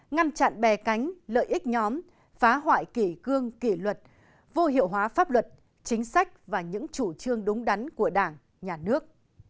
ngăn chặn bè cánh lợi ích nhóm phá hoại kỷ cương kỷ luật vô hiệu hóa pháp luật chính sách và những chủ trương đúng đắn của đảng nhà nước